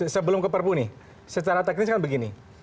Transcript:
sebelum ke perpu nih secara teknis kan begini